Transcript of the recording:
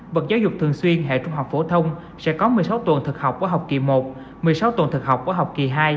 vật giáo dục thường xuyên hệ trung học phổ thông sẽ có một mươi sáu tuần thực học của học kỳ một một mươi sáu tuần thực học của học kỳ hai